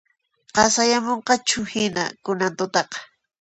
Qasayamunqachuhina kunan tutaqa